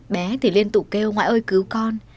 bé thì liên tục kêu ngoại ơi cứu con